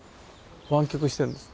湾曲してるんです。